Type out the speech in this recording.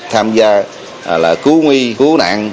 tham gia là cứu nguy cứu nạn